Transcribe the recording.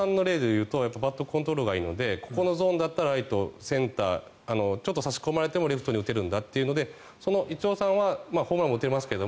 イチローさんの例でいうとバットコントロールがいいのでここだったらライト、センターちょっと差し込まれても打てるんだということでイチローさんはホームランも打てますけど